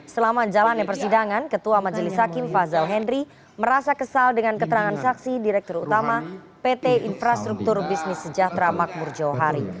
selama jalannya persidangan ketua majelis hakim fazal henry merasa kesal dengan keterangan saksi direktur utama pt infrastruktur bisnis sejahtera makmur johari